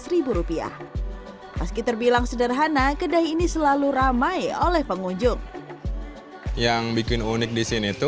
a ter youngestcritik sederhana kedai ini selalu ramai oleh pengunjung yang bikin unik di sini itu